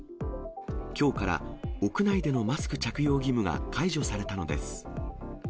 きょうから屋内でのマスク着用義務が解除されたのです。